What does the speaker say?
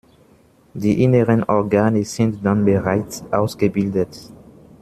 Die inneren Organe sind dann bereits ausgebildet.